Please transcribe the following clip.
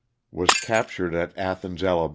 Was cap tured at Athens, Ala.